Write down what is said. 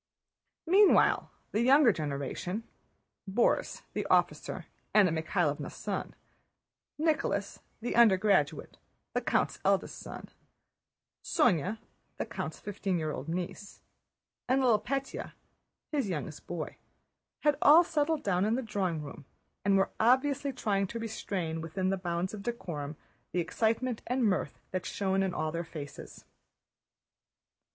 Meanwhile the younger generation: Borís, the officer, Anna Mikháylovna's son; Nicholas, the undergraduate, the count's eldest son; Sónya, the count's fifteen year old niece, and little Pétya, his youngest boy, had all settled down in the drawing room and were obviously trying to restrain within the bounds of decorum the excitement and mirth that shone in all their faces.